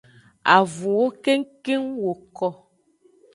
Avunwo kengkeng woko.